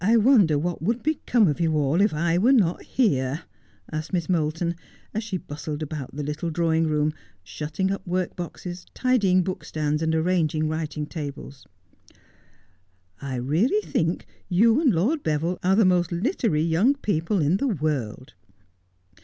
1 1 wonder what would become of you all if I were not here 1 ' asked Miss Moulton, as she bustled about the little drawing room, shutting up workboxes, tidying bookstands, and arranging writing tables. ' I really think you and Lord Beville are the most littery young people in the world.'